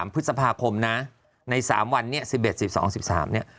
พฤษภาคมนะใน๓วันนี้๑๑๑๒๑๓เนี่ย